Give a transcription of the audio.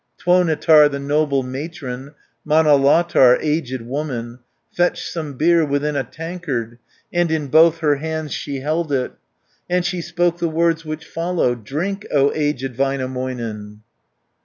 Tuonetar the noble matron, Manalatar, aged woman, Fetched some beer within a tankard, And in both her hands she held it, 290 And she spoke the words which follow: "Drink, O aged Väinämöinen!"